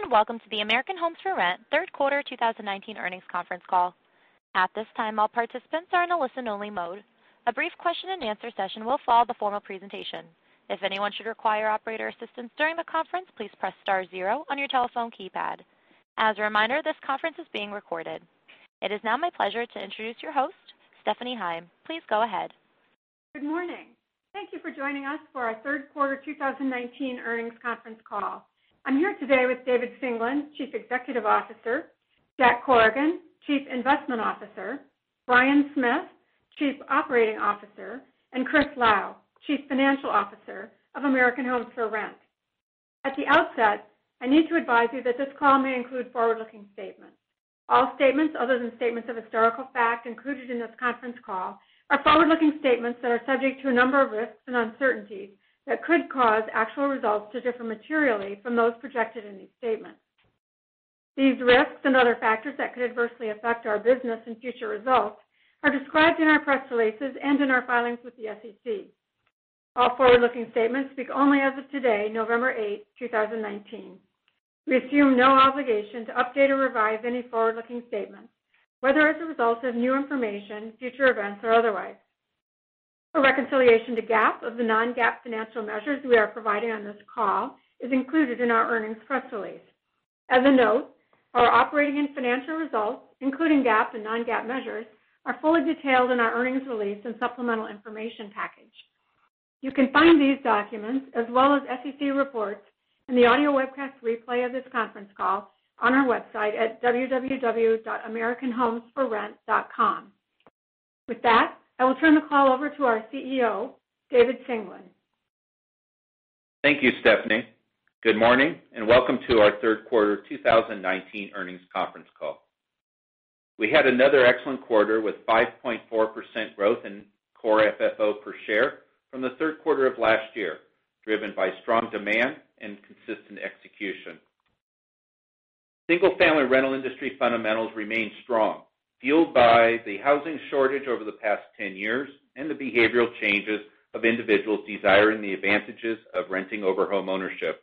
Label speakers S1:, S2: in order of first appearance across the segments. S1: Greetings, welcome to the American Homes 4 Rent third quarter 2019 earnings conference call. At this time, all participants are in a listen-only mode. A brief question and answer session will follow the formal presentation. If anyone should require operator assistance during the conference, please press star zero on your telephone keypad. As a reminder, this conference is being recorded. It is now my pleasure to introduce your host, Stephanie Heim. Please go ahead.
S2: Good morning. Thank you for joining us for our third quarter 2019 earnings conference call. I'm here today with David Singelyn, Chief Executive Officer, Jack Corrigan, Chief Investment Officer, Bryan Smith, Chief Operating Officer, and Chris Lau, Chief Financial Officer of American Homes 4 Rent. At the outset, I need to advise you that this call may include forward-looking statements. All statements other than statements of historical fact included in this conference call are forward-looking statements that are subject to a number of risks and uncertainties that could cause actual results to differ materially from those projected in these statements. These risks and other factors that could adversely affect our business and future results are described in our press releases and in our filings with the SEC. All forward-looking statements speak only as of today, November eighth, 2019. We assume no obligation to update or revise any forward-looking statements, whether as a result of new information, future events, or otherwise. A reconciliation to GAAP of the non-GAAP financial measures we are providing on this call is included in our earnings press release. As a note, our operating and financial results, including GAAP and non-GAAP measures, are fully detailed in our earnings release and supplemental information package. You can find these documents as well as SEC reports and the audio webcast replay of this conference call on our website at www.americanhomes4rent.com. With that, I will turn the call over to our CEO, David Singelyn.
S3: Thank you, Stephanie. Good morning, and welcome to our third quarter 2019 earnings conference call. We had another excellent quarter with 5.4% growth in core FFO per share from the third quarter of last year, driven by strong demand and consistent execution. Single-family rental industry fundamentals remain strong, fueled by the housing shortage over the past ten years and the behavioral changes of individuals desiring the advantages of renting over homeownership.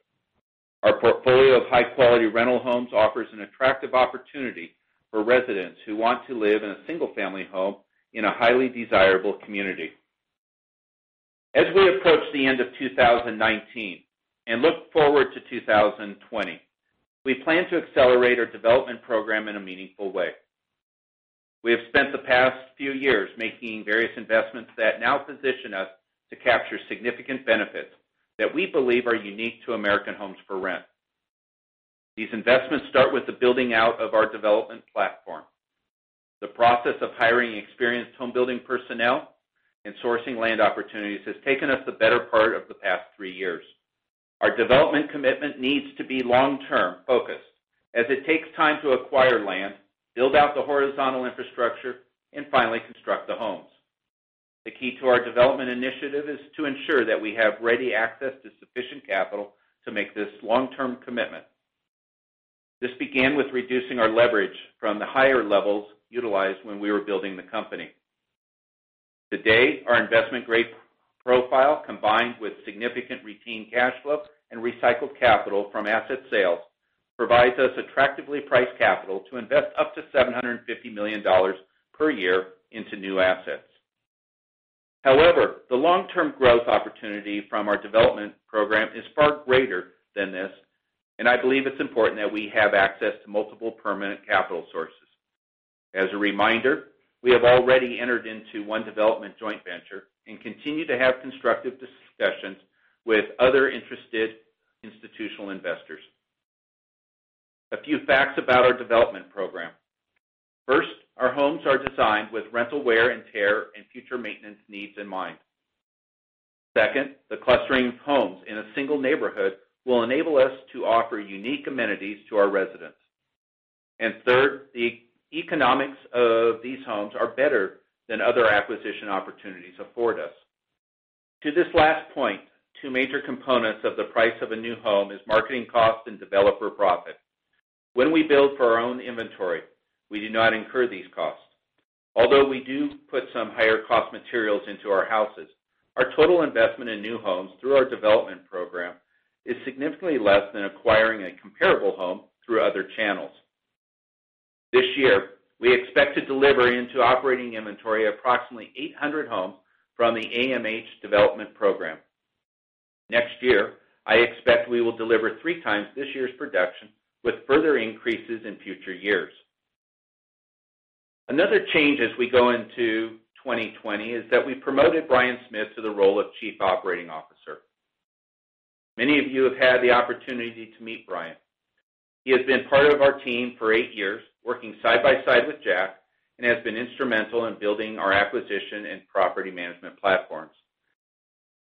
S3: Our portfolio of high-quality rental homes offers an attractive opportunity for residents who want to live in a single-family home in a highly desirable community. As we approach the end of 2019 and look forward to 2020, we plan to accelerate our development program in a meaningful way. We have spent the past few years making various investments that now position us to capture significant benefits that we believe are unique to American Homes 4 Rent. These investments start with the building out of our development platform. The process of hiring experienced home-building personnel and sourcing land opportunities has taken us the better part of the past three years. Our development commitment needs to be long-term focused, as it takes time to acquire land, build out the horizontal infrastructure, and finally construct the homes. The key to our development initiative is to ensure that we have ready access to sufficient capital to make this long-term commitment. This began with reducing our leverage from the higher levels utilized when we were building the company. Today, our investment-grade profile, combined with significant routine cash flow and recycled capital from asset sales, provides us attractively priced capital to invest up to $750 million per year into new assets. However, the long-term growth opportunity from our development program is far greater than this, and I believe it's important that we have access to multiple permanent capital sources. As a reminder, we have already entered into one development joint venture and continue to have constructive discussions with other interested institutional investors. A few facts about our development program. First, our homes are designed with rental wear and tear and future maintenance needs in mind. Second, the clustering of homes in a single neighborhood will enable us to offer unique amenities to our residents. Third, the economics of these homes are better than other acquisition opportunities afford us. To this last point, two major components of the price of a new home is marketing cost and developer profit. When we build for our own inventory, we do not incur these costs. Although we do put some higher-cost materials into our houses, our total investment in new homes through our development program is significantly less than acquiring a comparable home through other channels. This year, we expect to deliver into operating inventory approximately 800 homes from the AMH development program. Next year, I expect we will deliver three times this year's production with further increases in future years. Another change as we go into 2020 is that we promoted Bryan Smith to the role of Chief Operating Officer. Many of you have had the opportunity to meet Bryan. He has been part of our team for eight years, working side by side with Jack, and has been instrumental in building our acquisition and property management platforms.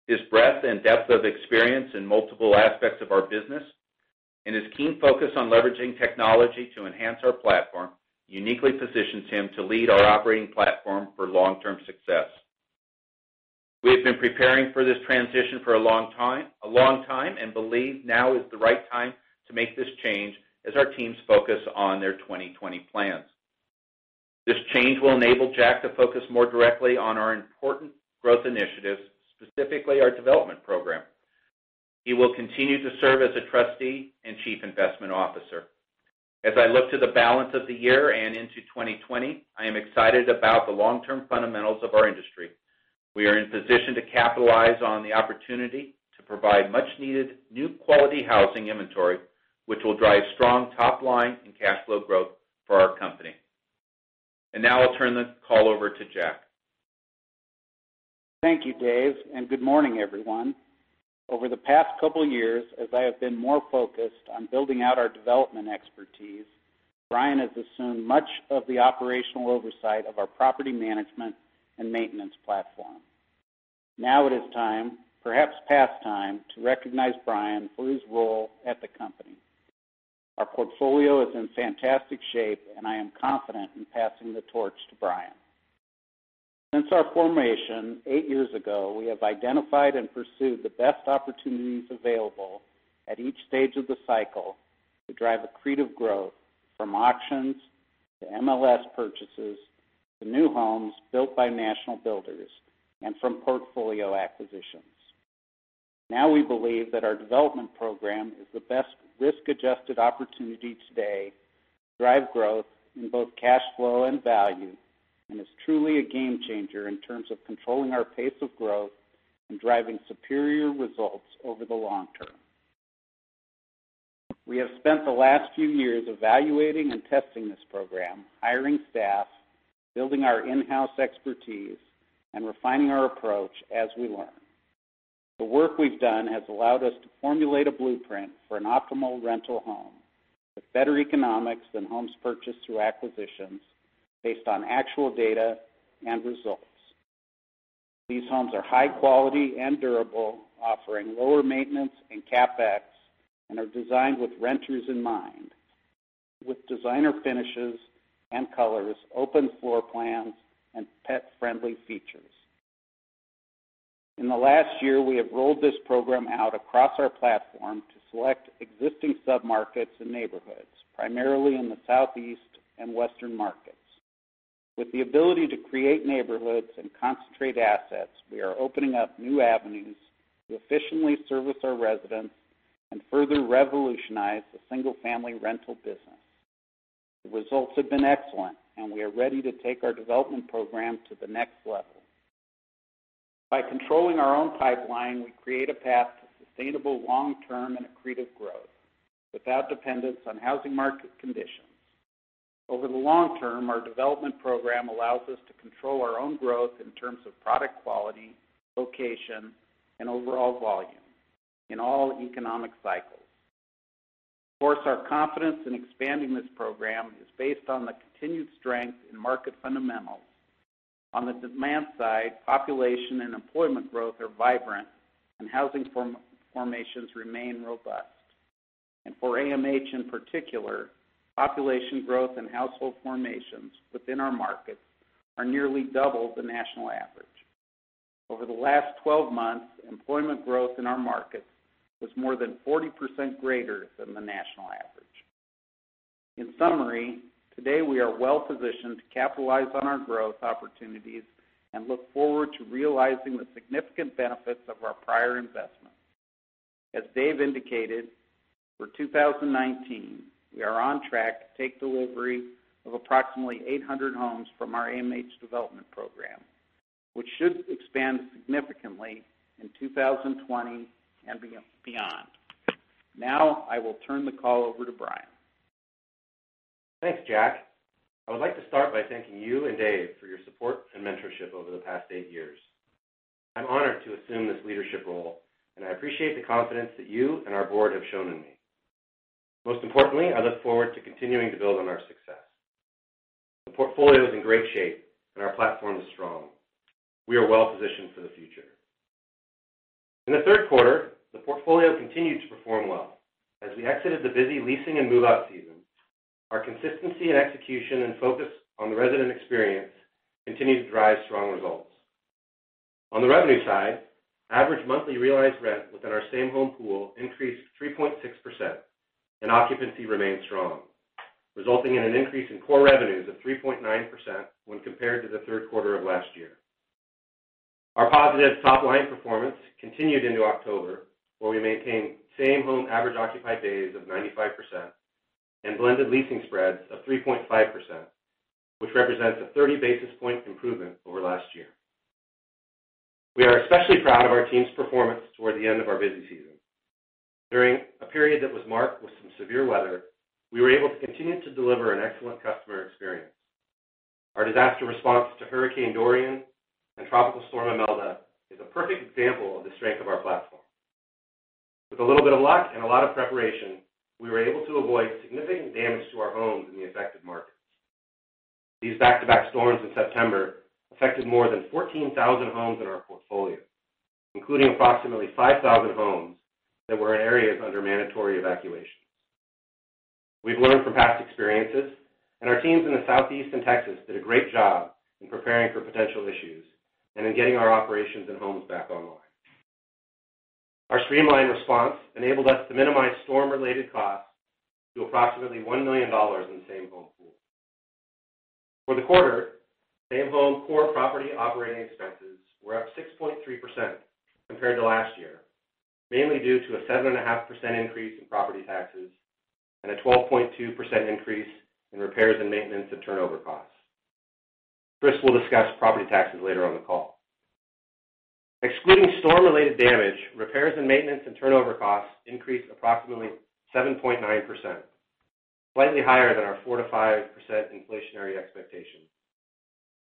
S3: His breadth and depth of experience in multiple aspects of our business and his keen focus on leveraging technology to enhance our platform uniquely positions him to lead our operating platform for long-term success. We have been preparing for this transition for a long time and believe now is the right time to make this change as our teams focus on their 2020 plans. This change will enable Jack to focus more directly on our important growth initiatives, specifically our development program. He will continue to serve as a trustee and Chief Investment Officer. As I look to the balance of the year and into 2020, I am excited about the long-term fundamentals of our industry. We are in position to capitalize on the opportunity to provide much needed new quality housing inventory, which will drive strong top line and cash flow growth for our company. Now I'll turn the call over to Jack.
S4: Thank you, Dave, and good morning, everyone. Over the past couple years, as I have been more focused on building out our development expertise, Bryan has assumed much of the operational oversight of our property management and maintenance platform. Now it is time, perhaps past time, to recognize Bryan for his role at the company. Our portfolio is in fantastic shape, and I am confident in passing the torch to Bryan. Since our formation eight years ago, we have identified and pursued the best opportunities available at each stage of the cycle to drive accretive growth from auctions to MLS purchases, to new homes built by national builders, and from portfolio acquisitions. Now we believe that our development program is the best risk-adjusted opportunity today to drive growth in both cash flow and value and is truly a game changer in terms of controlling our pace of growth and driving superior results over the long term. We have spent the last few years evaluating and testing this program, hiring staff, building our in-house expertise, and refining our approach as we learn. The work we've done has allowed us to formulate a blueprint for an optimal rental home with better economics than homes purchased through acquisitions based on actual data and results. These homes are high quality and durable, offering lower maintenance and CapEx, and are designed with renters in mind, with designer finishes and colors, open floor plans, and pet-friendly features. In the last year, we have rolled this program out across our platform to select existing sub-markets and neighborhoods, primarily in the Southeast and Western markets. With the ability to create neighborhoods and concentrate assets, we are opening up new avenues to efficiently service our residents and further revolutionize the single-family rental business. The results have been excellent, and we are ready to take our Development Program to the next level. By controlling our own pipeline, we create a path to sustainable long-term and accretive growth without dependence on housing market conditions. Over the long term, our Development Program allows us to control our own growth in terms of product quality, location, and overall volume in all economic cycles. Of course, our confidence in expanding this program is based on the continued strength in market fundamentals. On the demand side, population and employment growth are vibrant and housing formations remain robust. For AMH in particular, population growth and household formations within our markets are nearly double the national average. Over the last 12 months, employment growth in our markets was more than 40% greater than the national average. In summary, today we are well positioned to capitalize on our growth opportunities and look forward to realizing the significant benefits of our prior investments. As Dave indicated, for 2019, we are on track to take delivery of approximately 800 homes from our AMH Development Program, which should expand significantly in 2020 and beyond. Now, I will turn the call over to Bryan.
S5: Thanks, Jack. I would like to start by thanking you and Dave for your support and mentorship over the past eight years. I'm honored to assume this leadership role, and I appreciate the confidence that you and our board have shown in me. Most importantly, I look forward to continuing to build on our success. The portfolio is in great shape, and our platform is strong. We are well positioned for the future. In the third quarter, the portfolio continued to perform well. As we exited the busy leasing and move-out season, our consistency in execution and focus on the resident experience continued to drive strong results. On the revenue side, average monthly realized rent within our same home pool increased 3.6%, and occupancy remained strong, resulting in an increase in core revenues of 3.9% when compared to the third quarter of last year. Our positive top-line performance continued into October, where we maintained same home average occupied days of 95% and blended leasing spreads of 3.5%, which represents a 30 basis point improvement over last year. We are especially proud of our team's performance toward the end of our busy season. During a period that was marked with some severe weather, we were able to continue to deliver an excellent customer experience. Our disaster response to Hurricane Dorian and Tropical Storm Imelda is a perfect example of the strength of our platform. With a little bit of luck and a lot of preparation, we were able to avoid significant damage to our homes in the affected markets. These back-to-back storms in September affected more than 14,000 homes in our portfolio, including approximately 5,000 homes that were in areas under mandatory evacuations. We've learned from past experiences, and our teams in the Southeast and Texas did a great job in preparing for potential issues and in getting our operations and homes back online. Our streamlined response enabled us to minimize storm-related costs to approximately $1 million in the Same-Home pool. For the quarter, Same-Home pool property operating expenses were up 6.3% compared to last year, mainly due to a 7.5% increase in property taxes and a 12.2% increase in repairs and maintenance and turnover costs. Chris will discuss property taxes later on the call. Excluding storm-related damage, repairs and maintenance and turnover costs increased approximately 7.9%, slightly higher than our 4%-5% inflationary expectation,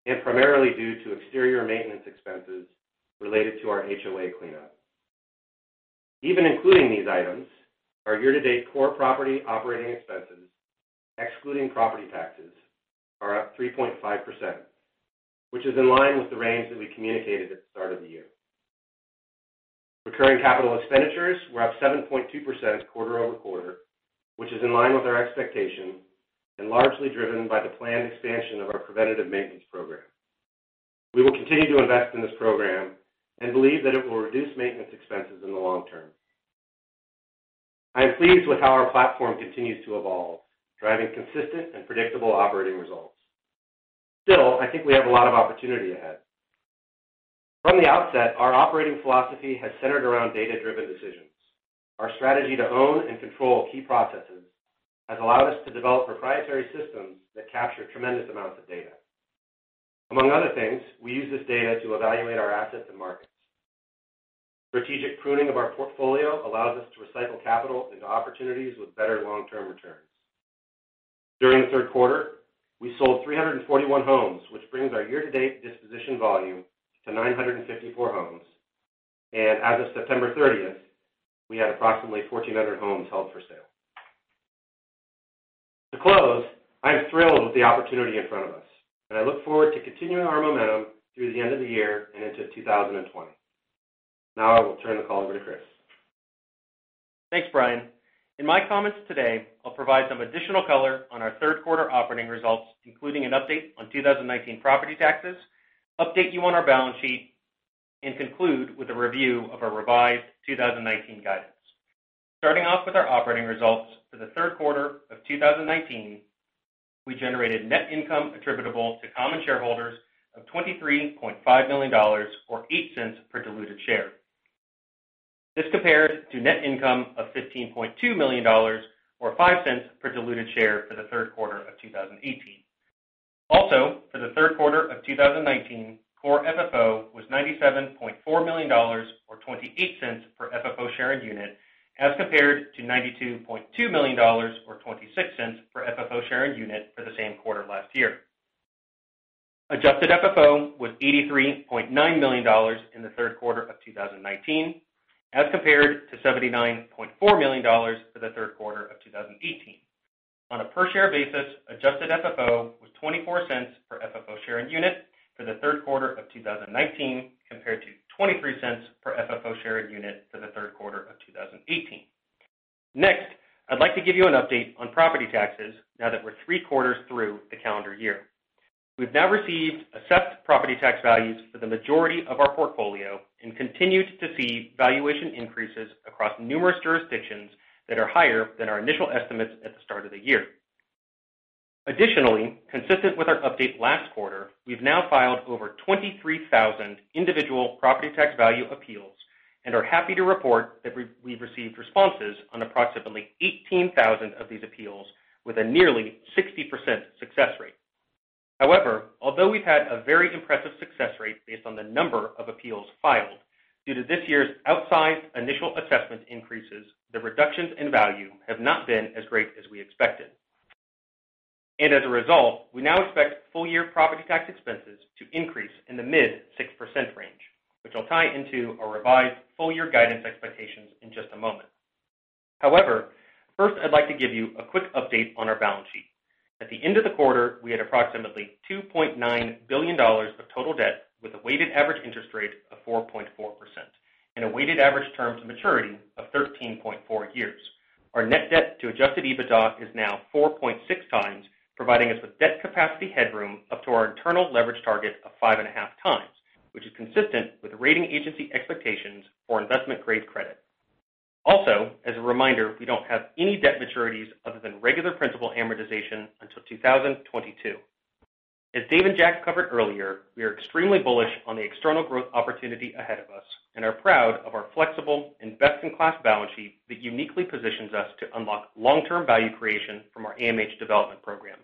S5: and primarily due to exterior maintenance expenses related to our HOA cleanup. Even including these items, our year-to-date core property operating expenses, excluding property taxes, are up 3.5%, which is in line with the range that we communicated at the start of the year. Recurring capital expenditures were up 7.2% quarter-over-quarter, which is in line with our expectations and largely driven by the planned expansion of our preventative maintenance program. We will continue to invest in this program and believe that it will reduce maintenance expenses in the long term. Still, I think we have a lot of opportunity ahead. From the outset, our operating philosophy has centered around data-driven decisions. Our strategy to own and control key processes has allowed us to develop proprietary systems that capture tremendous amounts of data. Among other things, we use this data to evaluate our assets and markets. Strategic pruning of our portfolio allows us to recycle capital into opportunities with better long-term returns. During the third quarter, we sold 341 homes, which brings our year-to-date disposition volume to 954 homes, and as of September 30th, we had approximately 1,400 homes held for sale. To close, I am thrilled with the opportunity in front of us, and I look forward to continuing our momentum through the end of the year and into 2020. Now I will turn the call over to Chris.
S6: Thanks, Bryan. In my comments today, I'll provide some additional color on our third quarter operating results, including an update on 2019 property taxes, update you on our balance sheet, and conclude with a review of our revised 2019 guidance. Starting off with our operating results for the third quarter of 2019, we generated net income attributable to common shareholders of $23.5 million, or $0.08 per diluted share. This compares to net income of $15.2 million or $0.05 per diluted share for the third quarter of 2018. Also, for the third quarter of 2019, core FFO was $97.4 million, or $0.28 per FFO share unit as compared to $92.2 million or $0.26 per FFO share unit for the same quarter last year. Adjusted FFO was $83.9 million in the third quarter of 2019 as compared to $79.4 million for the third quarter of 2018. On a per-share basis, adjusted FFO was $0.24 per FFO share unit for the third quarter of 2019, compared to $0.23 per FFO share unit for the third quarter of 2018. Next, I'd like to give you an update on property taxes now that we're three quarters through the calendar year. We've now received assessed property tax values for the majority of our portfolio and continued to see valuation increases across numerous jurisdictions that are higher than our initial estimates at the start of the year. Additionally, consistent with our update last quarter, we've now filed over 23,000 individual property tax value appeals and are happy to report that we've received responses on approximately 18,000 of these appeals with a nearly 60% success rate. Although we've had a very impressive success rate based on the number of appeals filed, due to this year's outsized initial assessment increases, the reductions in value have not been as great as we expected. As a result, we now expect full-year property tax expenses to increase in the mid 6% range, which I'll tie into our revised full-year guidance expectations in just a moment. First, I'd like to give you a quick update on our balance sheet. At the end of the quarter, we had approximately $2.9 billion of total debt with a weighted average interest rate of 4.4% and a weighted average term to maturity of 13.4 years. Our net debt to adjusted EBITDA is now 4.6 times, providing us with debt capacity headroom up to our internal leverage target of 5.5 times, which is consistent with rating agency expectations for investment-grade credit. Also, as a reminder, we don't have any debt maturities other than regular principal amortization until 2022. As Dave and Jack covered earlier, we are extremely bullish on the external growth opportunity ahead of us and are proud of our flexible and best-in-class balance sheet that uniquely positions us to unlock long-term value creation from our AMH development program.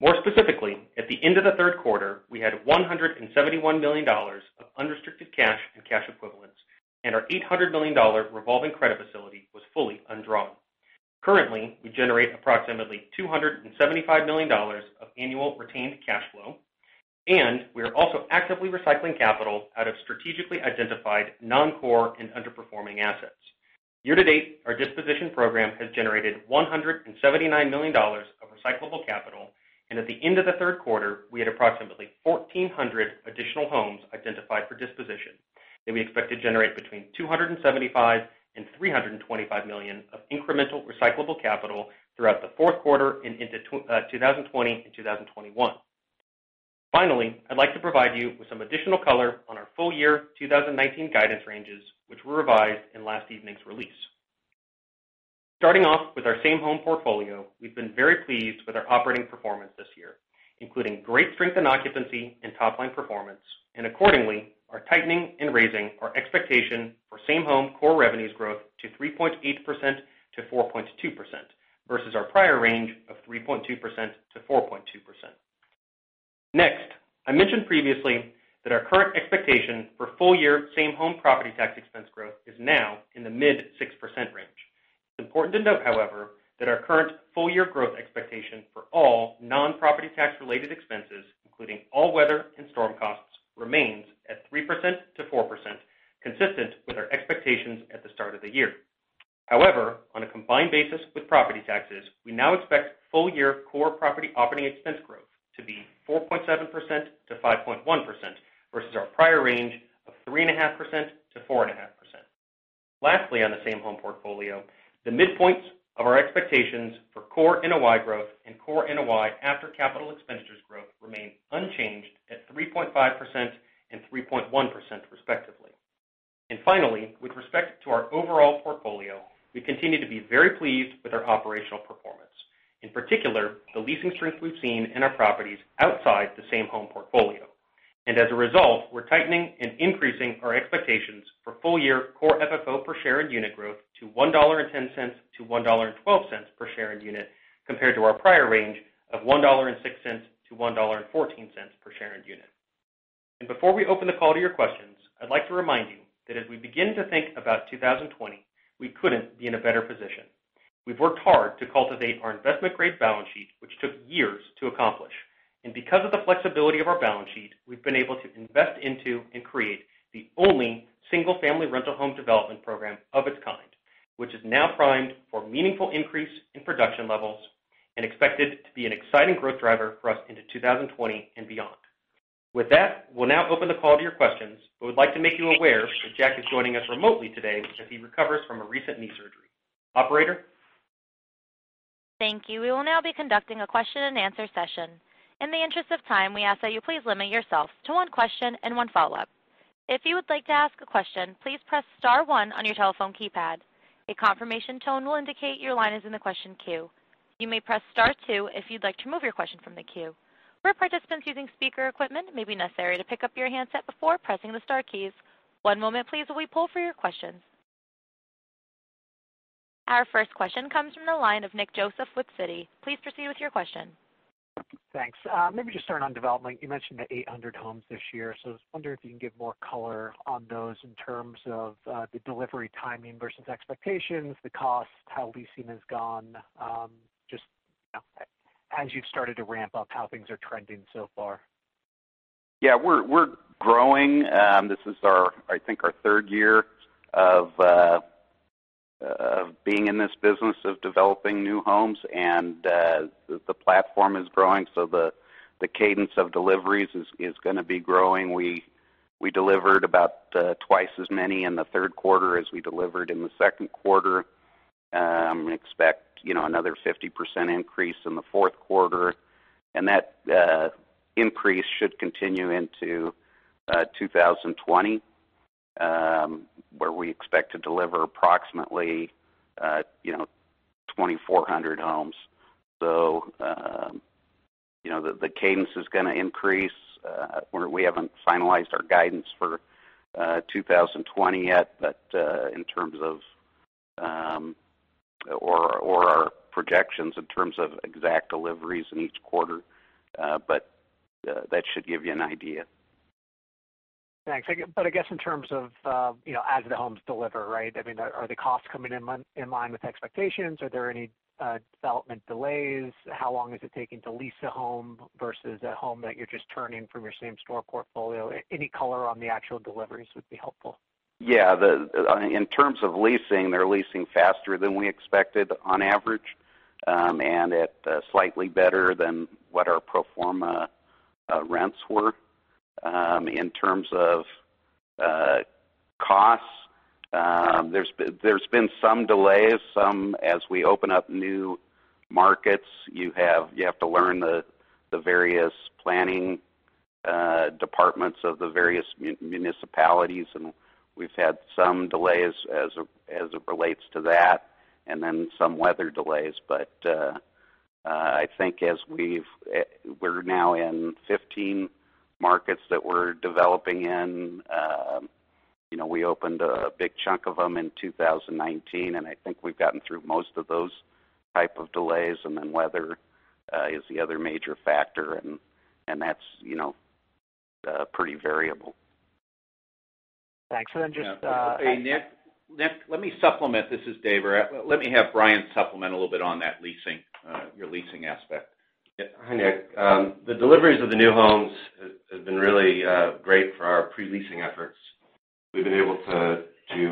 S6: More specifically, at the end of the third quarter, we had $171 million of unrestricted cash and cash equivalents, and our $800 million revolving credit facility was fully undrawn. Currently, we generate approximately $275 million of annual retained cash flow, and we are also actively recycling capital out of strategically identified non-core and underperforming assets. Year to date, our disposition program has generated $179 million of recyclable capital, and at the end of the third quarter, we had approximately 1,400 additional homes identified for disposition that we expect to generate between $275 million and $325 million of incremental recyclable capital throughout the fourth quarter and into 2020 and 2021. Finally, I'd like to provide you with some additional color on our full year 2019 guidance ranges, which were revised in last evening's release. Starting off with our same-home portfolio, we've been very pleased with our operating performance this year, including great strength in occupancy and top-line performance, and accordingly, are tightening and raising our expectation for same-home core revenues growth to 3.8%-4.2%, versus our prior range of 3.2%-4.2%. Next, I mentioned previously that our current expectation for full year same-home property tax expense growth is now in the mid 6% range. It's important to note, however, that our current full year growth expectation for all non-property tax related expenses, including all weather and storm costs, remains at 3%-4%, consistent with our expectations at the start of the year. On a combined basis with property taxes, we now expect full year core property operating expense growth to be 4.7%-5.1%, versus our prior range of 3.5%-4.5%. Lastly, on the same home portfolio, the midpoints of our expectations for core NOI growth and core NOI after capital expenditures growth remain unchanged at 3.5% and 3.1% respectively. Finally, with respect to our overall portfolio, we continue to be very pleased with our operational performance. In particular, the leasing strength we've seen in our properties outside the same-home portfolio. As a result, we're tightening and increasing our expectations for full year core FFO per share and unit growth to $1.10-$1.12 per share and unit, compared to our prior range of $1.06-$1.14 per share and unit. Before we open the call to your questions, I'd like to remind you that as we begin to think about 2020, we couldn't be in a better position. We've worked hard to cultivate our investment-grade balance sheet, which took years to accomplish. Because of the flexibility of our balance sheet, we've been able to invest into and create the only single-family rental home development program of its kind, which is now primed for meaningful increase in production levels and expected to be an exciting growth driver for us into 2020 and beyond. With that, we'll now open the call to your questions. We would like to make you aware that Jack is joining us remotely today as he recovers from a recent knee surgery. Operator?
S1: Thank you. We will now be conducting a question and answer session. In the interest of time, we ask that you please limit yourself to one question and one follow-up. If you would like to ask a question, please press star one on your telephone keypad. A confirmation tone will indicate your line is in the question queue. You may press star two if you'd like to remove your question from the queue. For participants using speaker equipment, it may be necessary to pick up your handset before pressing the star keys. One moment please while we pull for your questions. Our first question comes from the line of Nick Joseph with Citi. Please proceed with your question.
S7: Thanks. Maybe just starting on development. You mentioned the 800 homes this year, so I was wondering if you can give more color on those in terms of the delivery timing versus expectations, the cost, how leasing has gone, just as you've started to ramp up, how things are trending so far?
S5: Yeah. We're growing. This is our, I think, our third year of being in this business of developing new homes, and the platform is growing, so the cadence of deliveries is going to be growing. We delivered about twice as many in the third quarter as we delivered in the second quarter. Expect another 50% increase in the fourth quarter, and that increase should continue into 2020, where we expect to deliver approximately 2,400 homes. The cadence is going to increase. We haven't finalized our guidance for 2020 yet, or our projections in terms of exact deliveries in each quarter. That should give you an idea.
S7: Thanks. I guess in terms of as the homes deliver, right? Are the costs coming in line with expectations? Are there any development delays? How long is it taking to lease a home versus a home that you're just turning from your same store portfolio? Any color on the actual deliveries would be helpful.
S5: Yeah. In terms of leasing, they're leasing faster than we expected on average, and at slightly better than what our pro forma rents were. In terms of costs, there's been some delays. As we open up new markets, you have to learn the various planning departments of the various municipalities, and we've had some delays as it relates to that, and then some weather delays. I think we're now in 15 markets that we're developing in. We opened a big chunk of them in 2019, I think we've gotten through most of those type of delays. Weather is the other major factor, and that's pretty variable.
S7: Thanks.
S3: Nick, let me supplement. This is Dave. Let me have Bryan supplement a little bit on that leasing, your leasing aspect.
S5: Yeah. Hi, Nick. The deliveries of the new homes have been really great for our pre-leasing efforts. We've been able to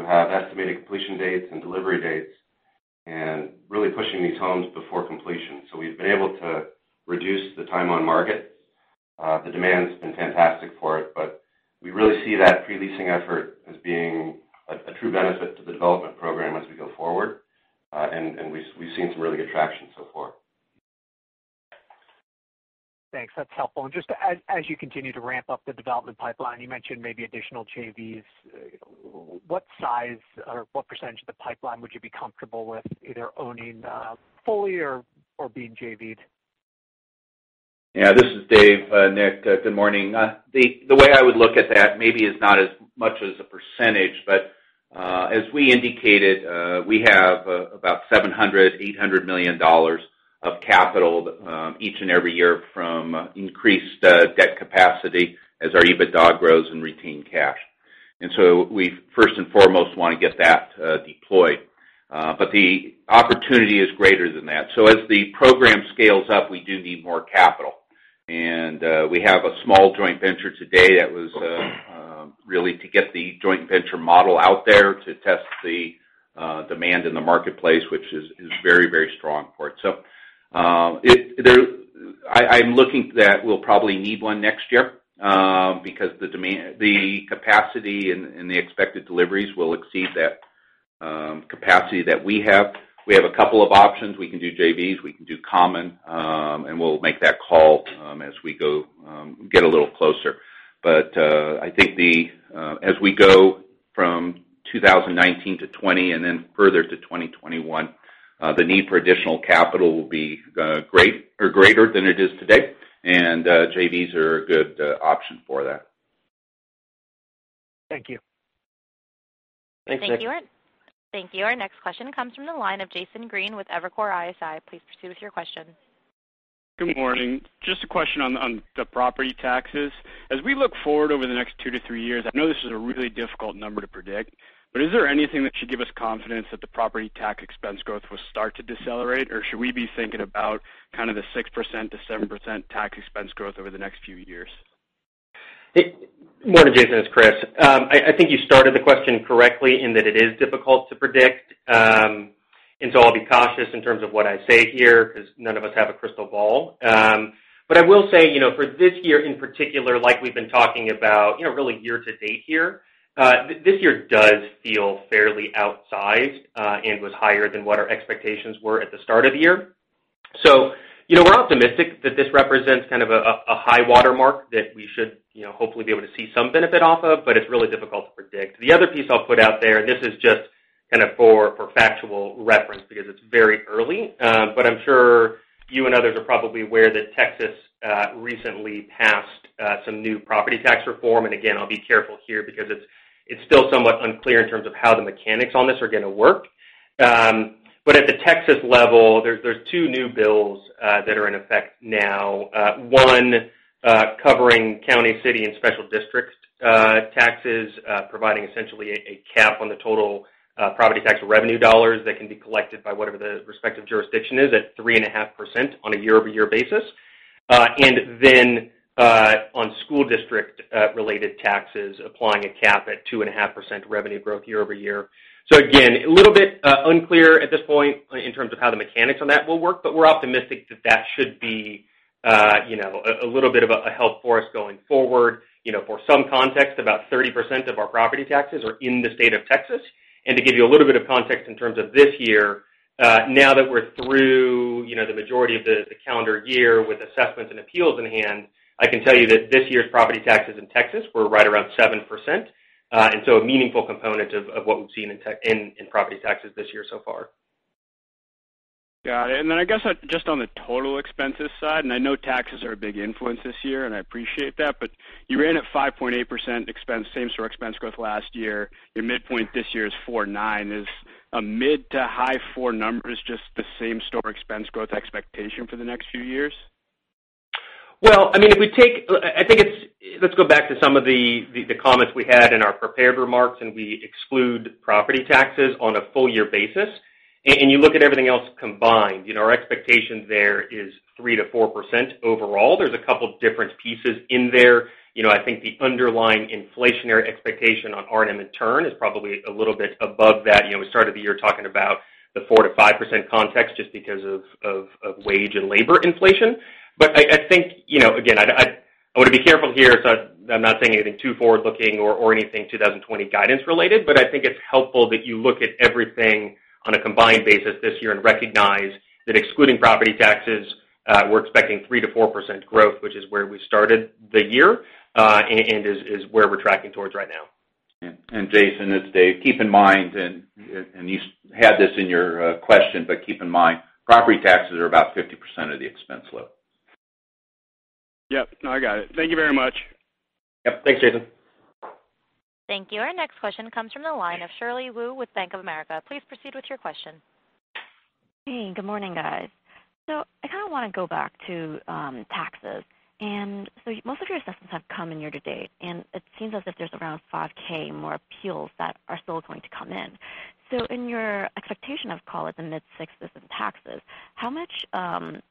S5: have estimated completion dates and delivery dates, and really pushing these homes before completion. We've been able to reduce the time on market. The demand's been fantastic for it. We really see that pre-leasing effort as being a true benefit to the development program as we go forward. We've seen some really good traction so far.
S7: Thanks. That's helpful. Just as you continue to ramp up the development pipeline, you mentioned maybe additional JVs. What size or what percentage of the pipeline would you be comfortable with either owning fully or being JV'd?
S3: Yeah, this is Dave. Nick, good morning. The way I would look at that maybe is not as much as a %, but as we indicated, we have about $700 million-$800 million of capital each and every year from increased debt capacity as our EBITDA grows and retained cash. We first and foremost want to get that deployed. The opportunity is greater than that. As the program scales up, we do need more capital. We have a small joint venture today that was really to get the joint venture model out there to test the demand in the marketplace, which is very, very strong for it. I'm looking that we'll probably need one next year, because the capacity and the expected deliveries will exceed that capacity that we have. We have a couple of options. We can do JVs, we can do common, and we'll make that call as we get a little closer. I think as we go from 2019 to 2020, and then further to 2021, the need for additional capital will be greater than it is today. JVs are a good option for that.
S7: Thank you.
S3: Thanks, Nick.
S1: Thank you. Our next question comes from the line of Jason Green with Evercore ISI. Please proceed with your question.
S8: Good morning. Just a question on the property taxes. As we look forward over the next two to three years, I know this is a really difficult number to predict, but is there anything that should give us confidence that the property tax expense growth will start to decelerate? Should we be thinking about kind of the 6%-7% tax expense growth over the next few years?
S6: Morning, Jason. It's Chris. I think you started the question correctly in that it is difficult to predict. I'll be cautious in terms of what I say here because none of us have a crystal ball. I will say, for this year in particular, like we've been talking about, really year to date here, this year does feel fairly outsized, and was higher than what our expectations were at the start of the year. We're optimistic that this represents kind of a high water mark that we should hopefully be able to see some benefit off of, but it's really difficult to predict. The other piece I'll put out there, and this is just kind of for factual reference because it's very early. I'm sure you and others are probably aware that Texas recently passed some new property tax reform. Again, I'll be careful here because it's still somewhat unclear in terms of how the mechanics on this are going to work. At the Texas level, there's two new bills that are in effect now. One covering county, city, and special district taxes, providing essentially a cap on the total property tax revenue dollars that can be collected by whatever the respective jurisdiction is at 3.5% on a year-over-year basis. On school district related taxes, applying a cap at 2.5% revenue growth year-over-year. Again, a little bit unclear at this point in terms of how the mechanics on that will work, but we're optimistic that that should be a little bit of a help for us going forward. For some context, about 30% of our property taxes are in the state of Texas. To give you a little bit of context in terms of this year, now that we're through the majority of the calendar year with assessments and appeals in hand, I can tell you that this year's property taxes in Texas were right around 7%. A meaningful component of what we've seen in property taxes this year so far.
S8: Got it. I guess just on the total expenses side, I know taxes are a big influence this year, I appreciate that, you ran at 5.8% same store expense growth last year. Your midpoint this year is 4.9%. Is a mid to high 4% numbers just the same store expense growth expectation for the next few years?
S6: Well, let's go back to some of the comments we had in our prepared remarks. We exclude property taxes on a full year basis. You look at everything else combined. Our expectation there is 3%-4% overall. There's a couple different pieces in there. I think the underlying inflationary expectation on RM and turn is probably a little bit above that. We started the year talking about the 4%-5% context just because of wage and labor inflation. I think, again, I want to be careful here, so I'm not saying anything too forward-looking or anything 2020 guidance related. I think it's helpful that you look at everything on a combined basis this year and recognize that excluding property taxes, we're expecting 3%-4% growth, which is where we started the year, and is where we're tracking towards right now.
S3: Jason, it's Dave. Keep in mind, and you had this in your question, but keep in mind, property taxes are about 50% of the expense load.
S8: Yep. No, I got it. Thank you very much.
S3: Yep. Thanks, Jason.
S1: Thank you. Our next question comes from the line of Shirley Wu with Bank of America. Please proceed with your question.
S9: Hey, good morning, guys. I kind of want to go back to taxes. Most of your assessments have come in year to date, and it seems as if there's around 5,000 more appeals that are still going to come in. In your expectation of call it the mid-sixties in taxes, how much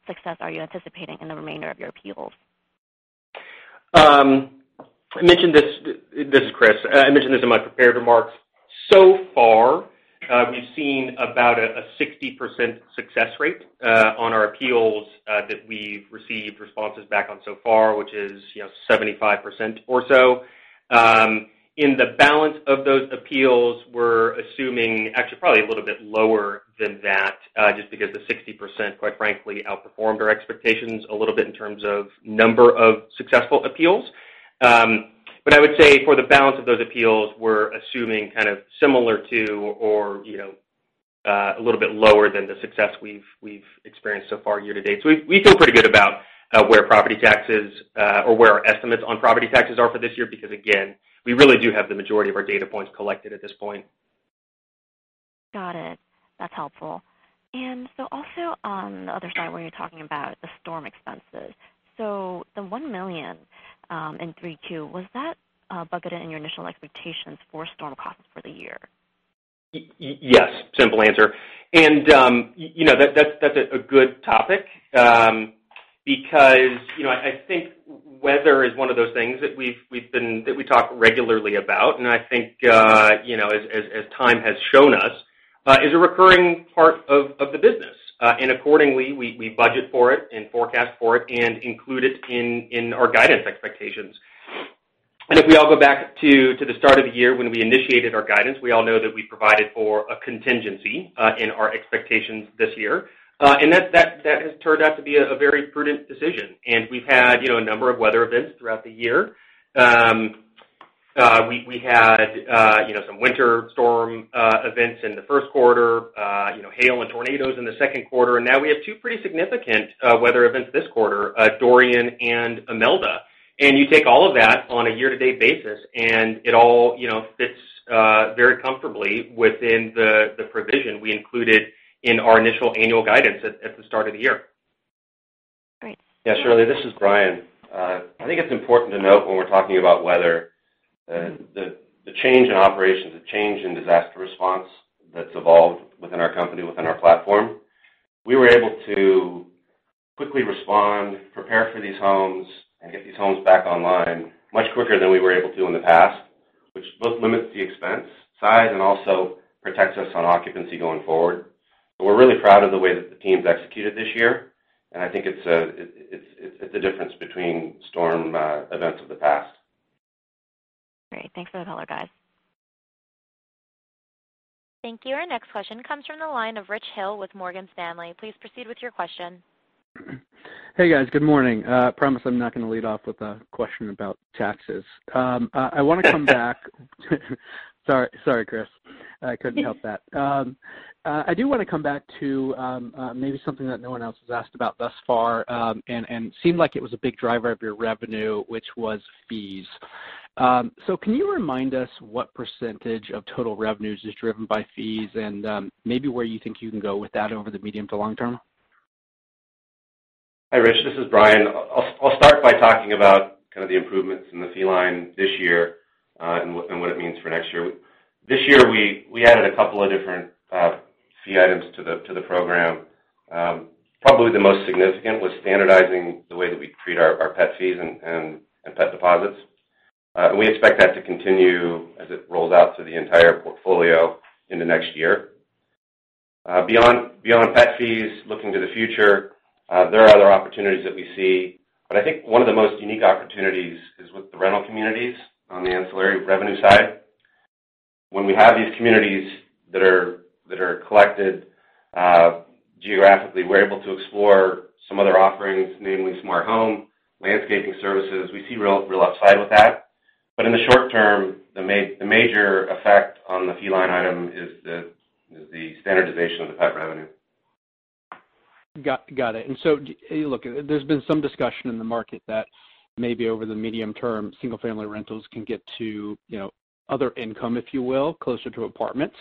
S9: success are you anticipating in the remainder of your appeals?
S6: This is Chris. I mentioned this in my prepared remarks. Far, we've seen about a 60% success rate on our appeals that we've received responses back on so far, which is 75% or so. In the balance of those appeals, we're assuming actually probably a little bit lower than that, just because the 60%, quite frankly, outperformed our expectations a little bit in terms of number of successful appeals. I would say for the balance of those appeals, we're assuming kind of similar to or a little bit lower than the success we've experienced so far year to date. We feel pretty good about where our estimates on property taxes are for this year, because again, we really do have the majority of our data points collected at this point.
S9: Got it. That's helpful. Also on the other side, where you're talking about the storm expenses. The $1 million in Q3, was that budgeted in your initial expectations for storm costs for the year?
S6: Yes. Simple answer. That's a good topic. I think weather is one of those things that we talk regularly about, and I think, as time has shown us, is a recurring part of the business. Accordingly, we budget for it and forecast for it and include it in our guidance expectations. If we all go back to the start of the year when we initiated our guidance, we all know that we provided for a contingency in our expectations this year. That has turned out to be a very prudent decision. We've had a number of weather events throughout the year. We had some winter storm events in the first quarter, hail and tornadoes in the second quarter, and now we have two pretty significant weather events this quarter, Dorian and Imelda. You take all of that on a year-to-date basis, and it all fits very comfortably within the provision we included in our initial annual guidance at the start of the year.
S9: Great.
S5: Yeah, Shirley, this is Bryan. I think it's important to note when we're talking about weather, the change in operations, the change in disaster response that's evolved within our company, within our platform. We were able to quickly respond, prepare for these homes, and get these homes back online much quicker than we were able to in the past, which both limits the expense side and also protects us on occupancy going forward. We're really proud of the way that the team's executed this year, and I think it's the difference between storm events of the past.
S9: Great. Thanks for the color, guys.
S1: Thank you. Our next question comes from the line of Rich Hill with Morgan Stanley. Please proceed with your question.
S10: Hey, guys. Good morning. Promise I'm not going to lead off with a question about taxes. I want to come back. Sorry, Chris. I couldn't help that. I do want to come back to maybe something that no one else has asked about thus far, and seemed like it was a big driver of your revenue, which was fees. Can you remind us what % of total revenues is driven by fees and maybe where you think you can go with that over the medium to long term?
S5: Hi, Rich. This is Bryan. I'll start by talking about kind of the improvements in the fee line this year, and what it means for next year. This year, we added a couple of different fee items to the program. Probably the most significant was standardizing the way that we treat our pet fees and pet deposits. We expect that to continue as it rolls out to the entire portfolio into next year. Beyond pet fees, looking to the future, there are other opportunities that we see, I think one of the most unique opportunities is with the rental communities on the ancillary revenue side. When we have these communities that are collected geographically, we're able to explore some other offerings, namely smart home, landscaping services. We see real upside with that. In the short term, the major effect on the fee line item is the standardization of the pet revenue.
S10: Got it. Look, there's been some discussion in the market that maybe over the medium term, single-family rentals can get to other income, if you will, closer to apartments.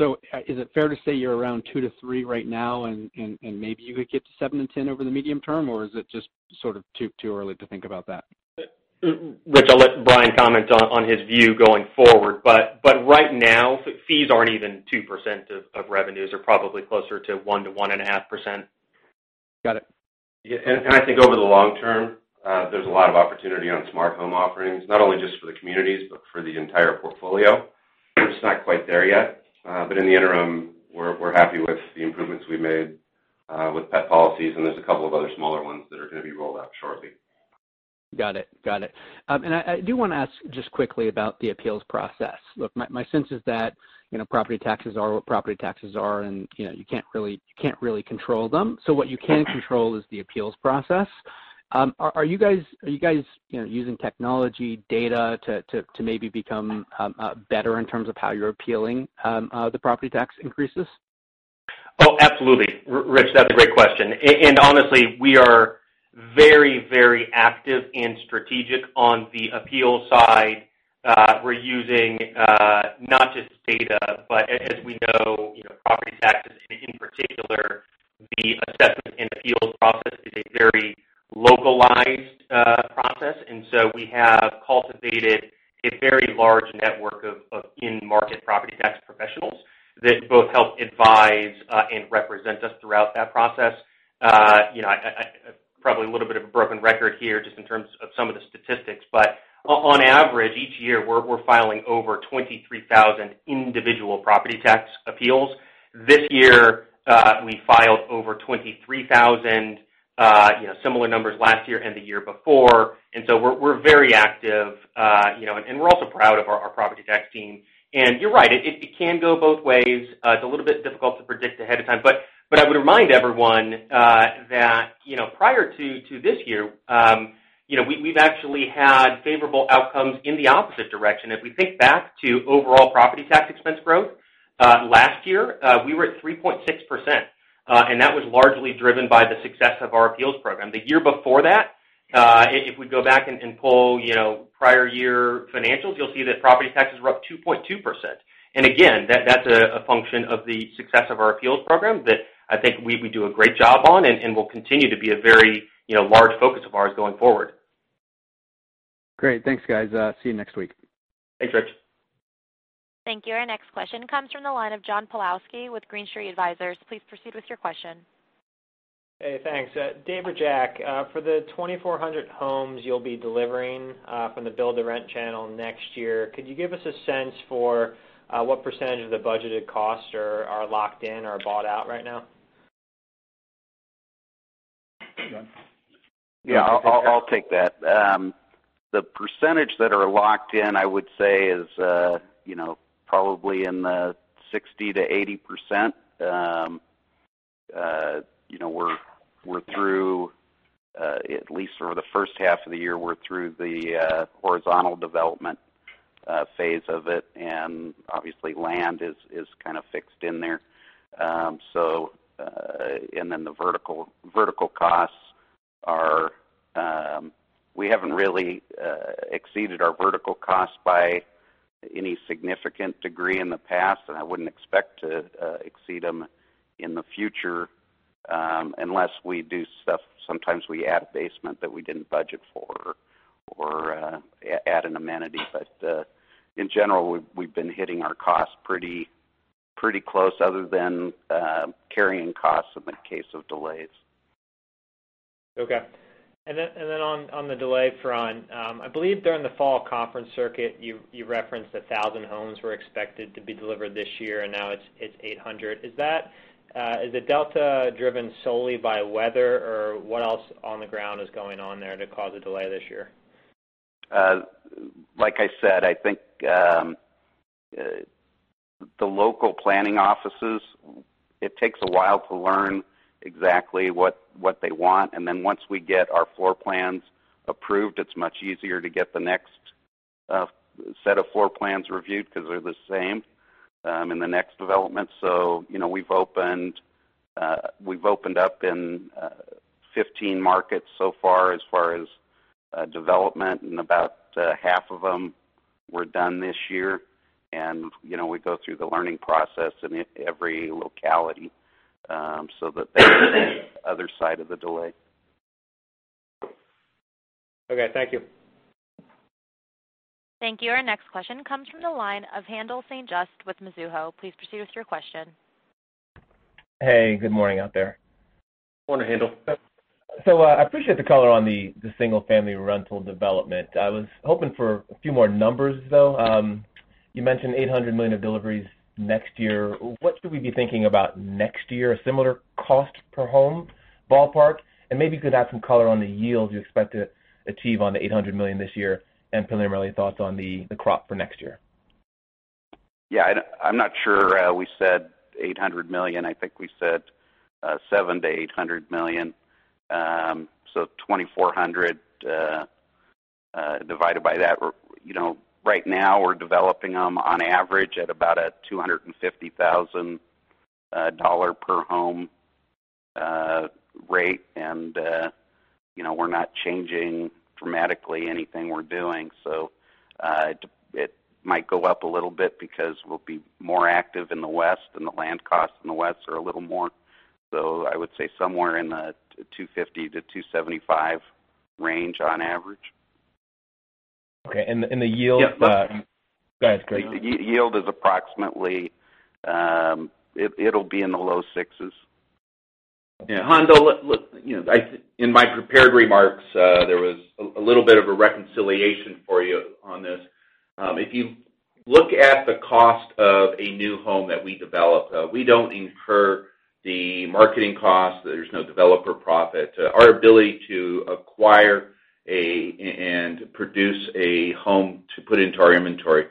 S10: Is it fair to say you're around two to three right now, and maybe you could get to seven and 10 over the medium term, or is it just sort of too early to think about that?
S6: Rich, I'll let Bryan comment on his view going forward, but right now, fees aren't even 2% of revenues. They're probably closer to 1%-1.5%.
S10: Got it.
S5: I think over the long term, there's a lot of opportunity on smart home offerings, not only just for the communities but for the entire portfolio. We're just not quite there yet. In the interim, we're happy with the improvements we've made with pet policies, and there's a couple of other smaller ones that are going to be rolled out shortly.
S10: Got it. I do want to ask just quickly about the appeals process. Look, my sense is that property taxes are what property taxes are, and you can't really control them. What you can control is the appeals process. Are you guys using technology data to maybe become better in terms of how you're appealing the property tax increases?
S6: Oh, absolutely. Rich, that's a great question. Honestly, we are very active and strategic on the appeals side. We're using not just data, but as we know property taxes in particular, the assessment and appeals process is a very localized process. We have cultivated a very large network of in-market property tax professionals that both help advise and represent us throughout that process. Probably a little bit of a broken record here just in terms of some of the statistics, but on average, each year, we're filing over 23,000 individual property tax appeals. This year, we filed over 23,000- Similar numbers last year and the year before. We're very active, and we're also proud of our property tax team. You're right, it can go both ways. It's a little bit difficult to predict ahead of time, but I would remind everyone that prior to this year, we've actually had favorable outcomes in the opposite direction. If we think back to overall property tax expense growth, last year, we were at 3.6%, and that was largely driven by the success of our appeals program. The year before that, if we go back and pull prior year financials, you'll see that property taxes were up 2.2%. Again, that's a function of the success of our appeals program that I think we do a great job on, and will continue to be a very large focus of ours going forward.
S10: Great. Thanks, guys. See you next week.
S3: Thanks, Rich.
S1: Thank you. Our next question comes from the line of John Pawlowski with Green Street Advisors. Please proceed with your question.
S11: Hey, thanks. Dave or Jack, for the 2,400 homes you'll be delivering from the build-to-rent channel next year, could you give us a sense for what % of the budgeted costs are locked in or bought out right now?
S3: John?
S4: Yeah, I'll take that. The percentage that are locked in, I would say, is probably in the 60%-80%. At least for the first half of the year, we're through the horizontal development phase of it. Obviously land is kind of fixed in there. The vertical costs. We haven't really exceeded our vertical costs by any significant degree in the past. I wouldn't expect to exceed them in the future, unless we do stuff. Sometimes we add a basement that we didn't budget for or add an amenity. In general, we've been hitting our costs pretty close, other than carrying costs in the case of delays.
S11: Okay. On the delay front, I believe during the fall conference circuit, you referenced 1,000 homes were expected to be delivered this year, and now it's 800. Is the delta driven solely by weather, or what else on the ground is going on there to cause a delay this year?
S4: Like I said, I think, the local planning offices, it takes a while to learn exactly what they want. Once we get our floor plans approved, it's much easier to get the next set of floor plans reviewed, because they're the same in the next development. We've opened up in 15 markets so far as far as development, and about half of them were done this year. We go through the learning process in every locality, so that is the other side of the delay.
S11: Okay, thank you.
S1: Thank you. Our next question comes from the line of Haendel St. Juste with Mizuho. Please proceed with your question.
S12: Hey, good morning out there.
S3: Morning, Haendel.
S12: I appreciate the color on the single-family rental development. I was hoping for a few more numbers, though. You mentioned $800 million of deliveries next year. What should we be thinking about next year? A similar cost per home, ballpark? Maybe you could add some color on the yields you expect to achieve on the $800 million this year, and preliminary thoughts on the crop for next year.
S4: Yeah, I'm not sure we said $800 million. I think we said $700 million-$800 million. 2,400 divided by that. Right now, we're developing them on average at about a $250,000 per home rate. We're not changing dramatically anything we're doing. It might go up a little bit because we'll be more active in the West, and the land costs in the West are a little more. I would say somewhere in the $250,000-$275,000 range on average.
S12: Okay, the yield-
S4: Yeah.
S12: Go ahead.
S4: The yield is approximately, it'll be in the low sixes.
S3: Yeah. Haendel, in my prepared remarks, there was a little bit of a reconciliation for you on this. If you look at the cost of a new home that we develop, we don't incur the marketing cost. There's no developer profit. Our ability to acquire and produce a home to put into our inventory,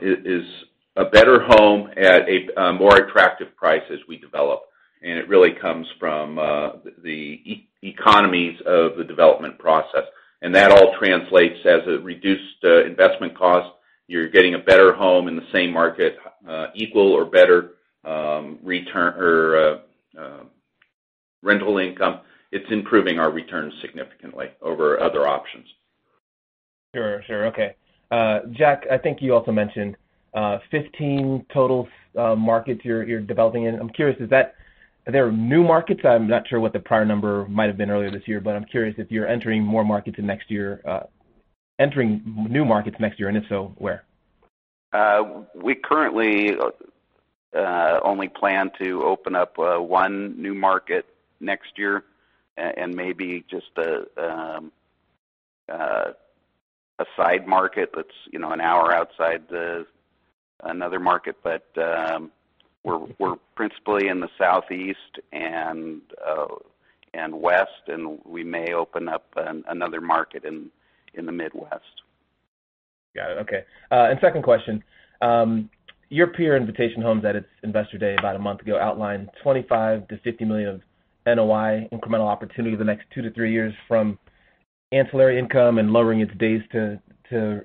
S3: is a better home at a more attractive price as we develop. It really comes from the economies of the development process. That all translates as a reduced investment cost. You're getting a better home in the same market, equal or better rental income. It's improving our returns significantly over other options.
S12: Sure. Okay. Jack, I think you also mentioned 15 total markets you're developing in. I'm curious, are there new markets? I'm not sure what the prior number might've been earlier this year, but I'm curious if you're entering more markets in next year, entering new markets next year, and if so, where?
S4: We currently only plan to open up one new market next year. Maybe just a side market that's an hour outside another market. We're principally in the Southeast and West, and we may open up another market in the Midwest.
S12: Got it. Okay. Second question, your peer Invitation Homes at its investor day about a month ago outlined $25 million-$50 million of NOI incremental opportunity over the next 2-3 years from ancillary income and lowering its days to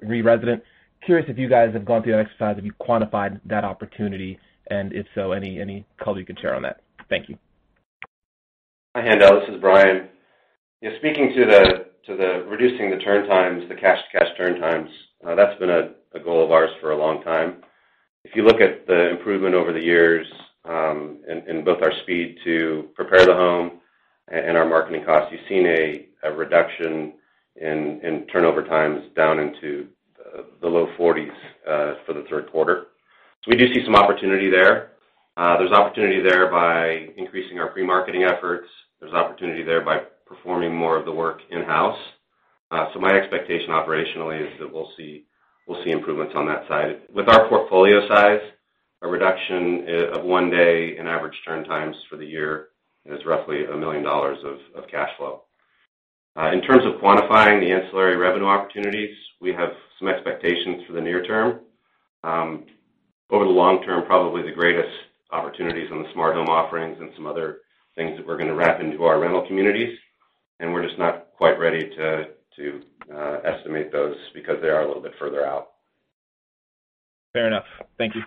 S12: re-resident. Curious if you guys have gone through that exercise, if you've quantified that opportunity, and if so, any color you can share on that. Thank you.
S5: Hi, Haendel. This is Bryan. Yeah, speaking to reducing the turn times, the cash-to-cash turn times, that's been a goal of ours for a long time. If you look at the improvement over the years, in both our speed to prepare the home and our marketing costs, you've seen a reduction in turnover times down into the low 40s for the third quarter. We do see some opportunity there. There's opportunity there by increasing our pre-marketing efforts. There's opportunity there by performing more of the work in-house. My expectation operationally is that we'll see improvements on that side. With our portfolio size, a reduction of one day in average turn times for the year is roughly $1 million of cash flow. In terms of quantifying the ancillary revenue opportunities, we have some expectations for the near term. Over the long term, probably the greatest opportunities on the smart home offerings and some other things that we're going to wrap into our rental communities, and we're just not quite ready to estimate those because they are a little bit further out.
S12: Fair enough. Thank you.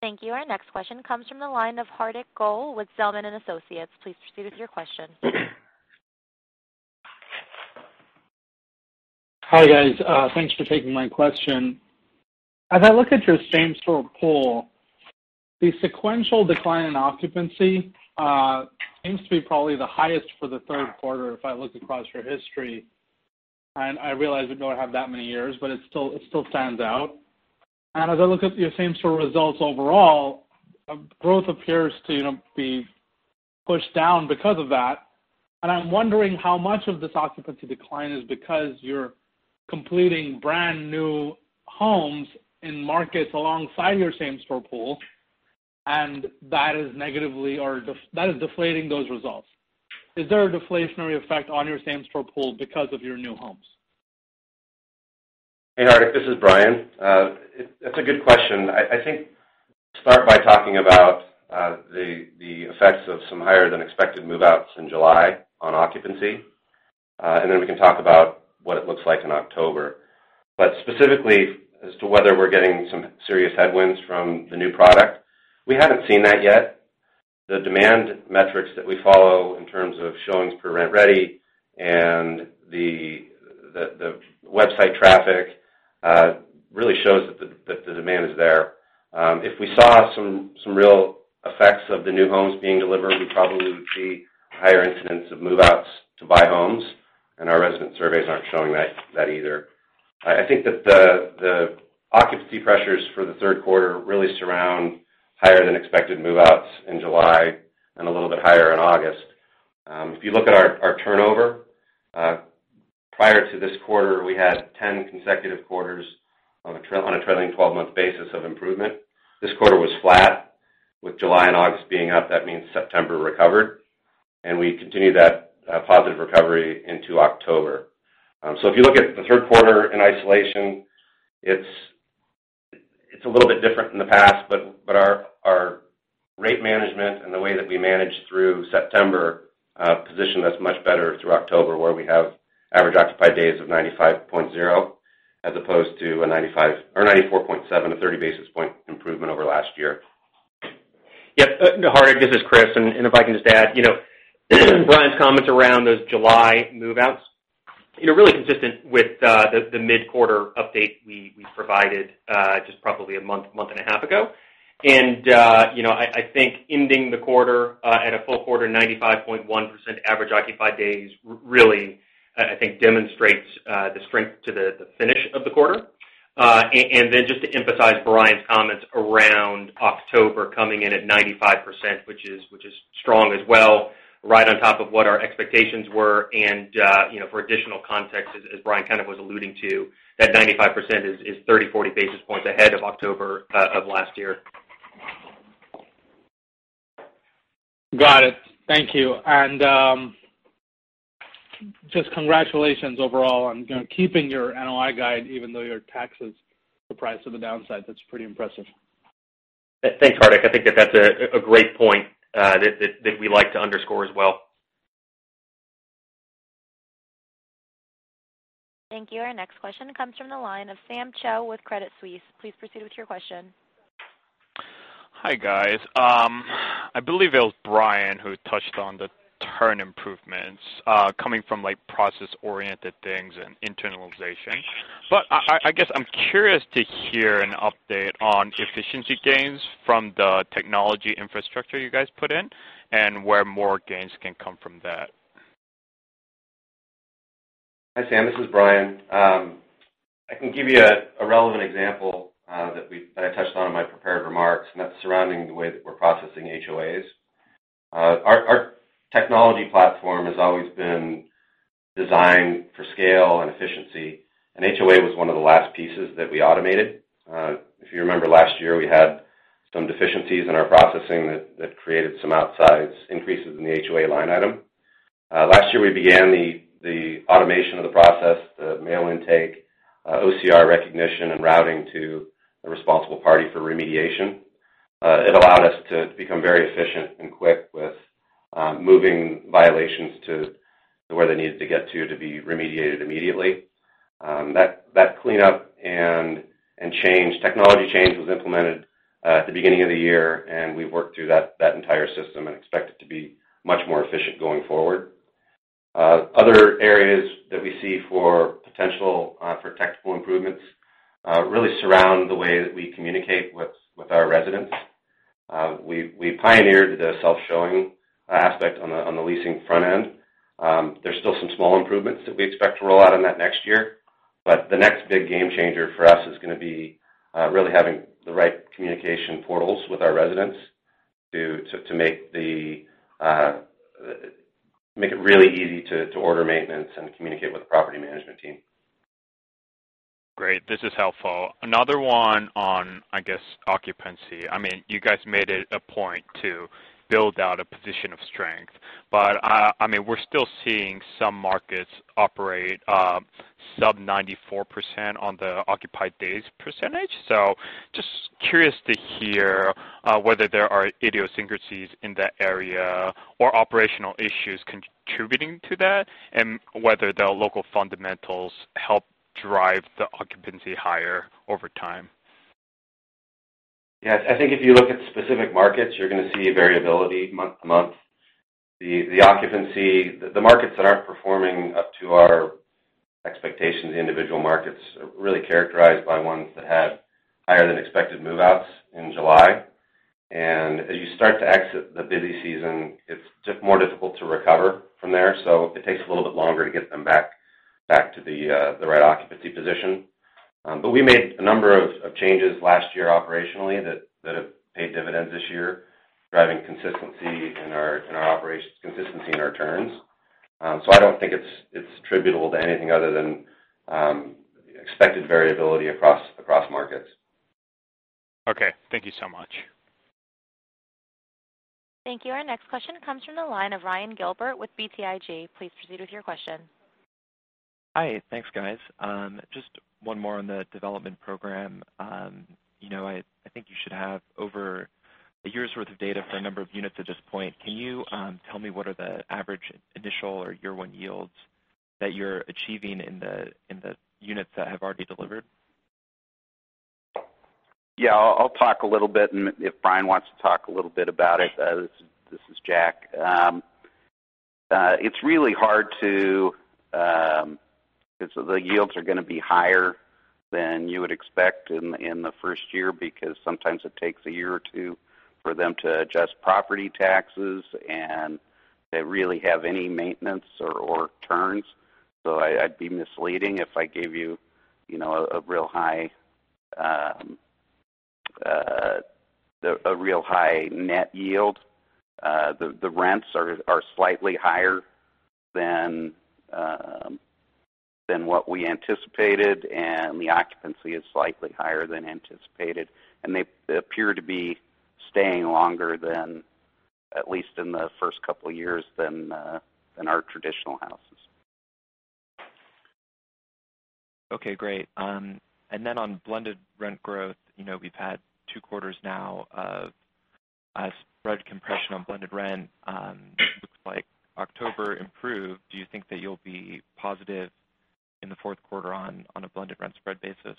S1: Thank you. Our next question comes from the line of Hardik Goel with Zelman & Associates. Please proceed with your question.
S13: Hi, guys. Thanks for taking my question. As I look at your same-store pool, the sequential decline in occupancy seems to be probably the highest for the third quarter if I look across your history, and I realize we don't have that many years, but it still stands out. As I look at your same-store results overall, growth appears to be pushed down because of that. I'm wondering how much of this occupancy decline is because you're completing brand-new homes in markets alongside your same-store pool, and that is negatively or that is deflating those results. Is there a deflationary effect on your same-store pool because of your new homes?
S5: Hey, Hardik. This is Bryan. That's a good question. I think start by talking about the effects of some higher-than-expected move-outs in July on occupancy, and then we can talk about what it looks like in October. Specifically as to whether we're getting some serious headwinds from the new product, we haven't seen that yet. The demand metrics that we follow in terms of showings per rent ready and the website traffic really shows that the demand is there. If we saw some real effects of the new homes being delivered, we probably would see higher incidents of move-outs to buy homes, and our resident surveys aren't showing that either. I think that the occupancy pressures for the third quarter really surround higher-than-expected move-outs in July and a little bit higher in August. If you look at our turnover, prior to this quarter, we had 10 consecutive quarters on a trailing 12-month basis of improvement. This quarter was flat with July and August being up. That means September recovered, and we continued that positive recovery into October. If you look at the third quarter in isolation, it's a little bit different from the past, but our rate management and the way that we managed through September positioned us much better through October, where we have average occupied days of 95.0 as opposed to a 94.7, a 30-basis-point improvement over last year.
S6: Yep. Hardik, this is Chris, and if I can just add. Bryan's comments around those July move-outs are really consistent with the mid-quarter update we provided just probably a month and a half ago. I think ending the quarter at a full quarter 95.1% average occupied days really, I think, demonstrates the strength to the finish of the quarter. Then just to emphasize Bryan's comments around October coming in at 95%, which is strong as well, right on top of what our expectations were. For additional context, as Bryan kind of was alluding to, that 95% is 30, 40 basis points ahead of October of last year.
S13: Got it. Thank you. Just congratulations overall on keeping your NOI guide, even though your tax is surprised to the downside. That's pretty impressive.
S6: Thanks, Hardik. I think that that's a great point that we like to underscore as well.
S1: Thank you. Our next question comes from the line of Sam Choe with Credit Suisse. Please proceed with your question.
S14: Hi, guys. I believe it was Brian who touched on the turn improvements coming from process-oriented things and internalization. I guess I'm curious to hear an update on efficiency gains from the technology infrastructure you guys put in and where more gains can come from that.
S5: Hi, Sam. This is Bryan. I can give you a relevant example that I touched on in my prepared remarks, that's surrounding the way that we're processing HOAs. Our technology platform has always been designed for scale and efficiency, HOA was one of the last pieces that we automated. If you remember last year, we had some deficiencies in our processing that created some outsized increases in the HOA line item. Last year, we began the automation of the process, the mail intake, OCR recognition, and routing to the responsible party for remediation. It allowed us to become very efficient and quick with moving violations to where they needed to get to be remediated immediately. That cleanup technology change was implemented at the beginning of the year, we've worked through that entire system and expect it to be much more efficient going forward. Other areas that we see for potential technical improvements really surround the way that we communicate with our residents. We pioneered the self-showing aspect on the leasing front end. There's still some small improvements that we expect to roll out on that next year, but the next big game changer for us is going to be really having the right communication portals with our residents to make it really easy to order maintenance and communicate with the property management team.
S14: Great. This is helpful. Another one on, I guess, occupancy. You guys made it a point to build out a position of strength, but we're still seeing some markets operate sub 94% on the occupied days percentage. Just curious to hear whether there are idiosyncrasies in that area or operational issues contributing to that, and whether the local fundamentals help drive the occupancy higher over time.
S5: Yes. I think if you look at specific markets, you're going to see variability month to month. The markets that aren't performing up to our expectations, the individual markets, are really characterized by ones that had higher than expected move-outs in July. As you start to exit the busy season, it's more difficult to recover from there. It takes a little bit longer to get them back to the right occupancy position. We made a number of changes last year operationally that have paid dividends this year, driving consistency in our operations, consistency in our turns. I don't think it's attributable to anything other than expected variability across markets.
S14: Okay. Thank you so much.
S1: Thank you. Our next question comes from the line of Ryan Gilbert with BTIG. Please proceed with your question.
S15: Hi. Thanks, guys. Just one more on the development program. I think you should have over a year's worth of data for a number of units at this point. Can you tell me what are the average initial or year-one yields that you're achieving in the units that have already delivered?
S4: Yeah, I'll talk a little bit. If Bryan wants to talk a little bit about it. This is Jack. The yields are going to be higher than you would expect in the first year, because sometimes it takes a year or two for them to adjust property taxes and really have any maintenance or turns. I'd be misleading if I gave you a real high net yield. The rents are slightly higher than what we anticipated. The occupancy is slightly higher than anticipated. They appear to be staying longer than, at least in the first couple of years, than our traditional houses.
S15: Okay, great. On blended rent growth, we've had two quarters now of a spread compression on blended rent. It looks like October improved. Do you think that you'll be positive in the fourth quarter on a blended rent spread basis?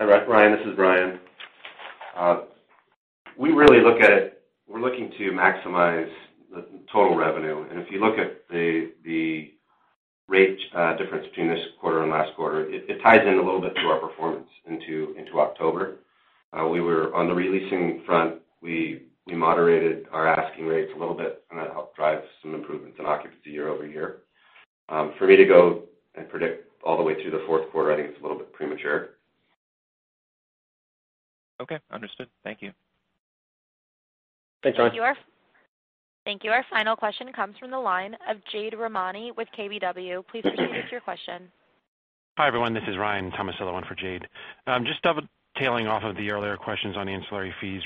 S5: Hi, Ryan. This is Bryan. We're looking to maximize the total revenue. If you look at the rate difference between this quarter and last quarter, it ties in a little bit to our performance into October. On the re-leasing front, we moderated our asking rates a little bit, and that helped drive some improvements in occupancy year-over-year. For me to go and predict all the way through the fourth quarter, I think it's a little bit premature.
S15: Okay, understood. Thank you.
S4: Thanks, Ryan.
S1: Thank you. Our final question comes from the line of Jade Rahmani with KBW. Please proceed with your question.
S16: Hi, everyone. This is Ryan Tomasello, the one for Jade. Just dovetailing off of the earlier questions on ancillary fees.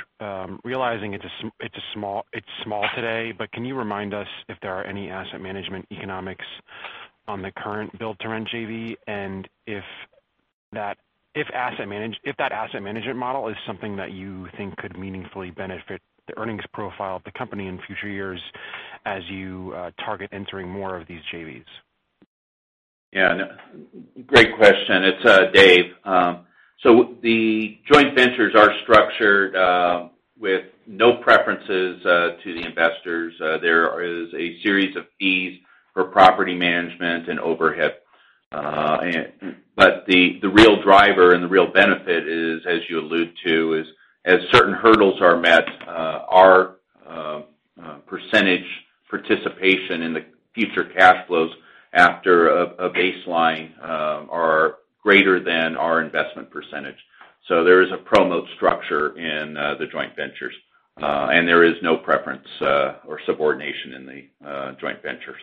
S16: Realizing it's small today, but can you remind us if there are any asset management economics on the current build to rent JV, and if that asset management model is something that you think could meaningfully benefit the earnings profile of the company in future years as you target entering more of these JVs?
S3: Great question. It's Dave. The joint ventures are structured with no preferences to the investors. There is a series of fees for property management and overhead. The real driver and the real benefit is, as you allude to, as certain hurdles are met, our percentage participation in the future cash flows after a baseline are greater than our investment percentage. There is a promote structure in the joint ventures, and there is no preference or subordination in the joint ventures.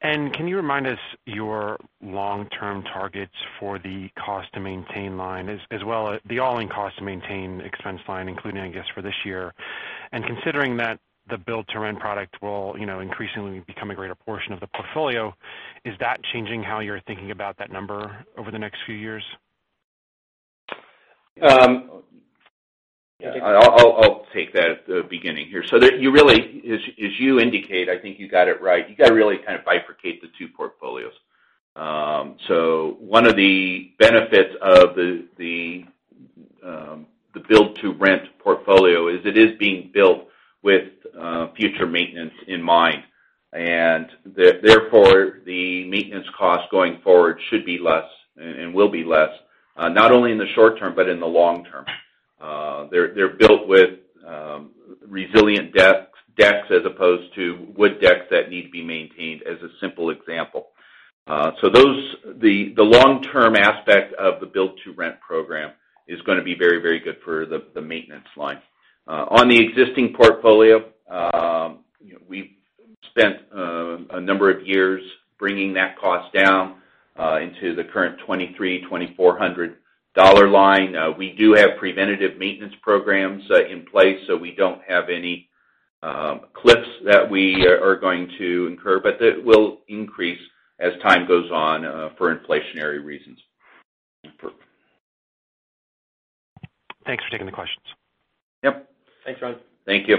S16: Can you remind us your long-term targets for the cost to maintain line, as well the all-in cost to maintain expense line, including, I guess, for this year. Considering that the build to rent product will increasingly become a greater portion of the portfolio, is that changing how you're thinking about that number over the next few years?
S3: I'll take that at the beginning here. As you indicate, I think you got it right. You got to really kind of bifurcate the two portfolios. One of the benefits of the build-to-rent portfolio is it is being built with future maintenance in mind, and therefore the maintenance cost going forward should be less and will be less, not only in the short term but in the long term. They're built with resilient decks as opposed to wood decks that need to be maintained, as a simple example. The long-term aspect of the build-to-rent program is going to be very good for the maintenance line. On the existing portfolio, we've spent a number of years bringing that cost down into the current $2,300, $2,400 line. We do have preventative maintenance programs in place. We don't have any cliffs that we are going to incur. That will increase as time goes on for inflationary reasons.
S16: Thanks for taking the questions.
S3: Yep.
S6: Thanks, Ryan.
S3: Thank you.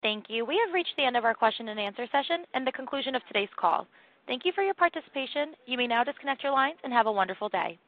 S1: Thank you. We have reached the end of our question and answer session and the conclusion of today's call. Thank you for your participation. You may now disconnect your lines and have a wonderful day.